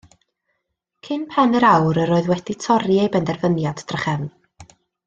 Cyn pen yr awr yr oedd wedi torri ei benderfyniad drachefn.